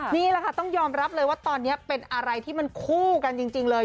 นี่แหละค่ะต้องยอมรับเลยว่าตอนนี้เป็นอะไรที่มันคู่กันจริงเลย